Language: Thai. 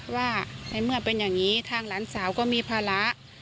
ว่าในเมื่อเป็นอย่างนี้ทางหลานสาวก็มีภาระ